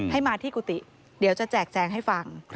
ให้มาที่กุฏิเดี๋ยวจะแจกแจงให้ฟัง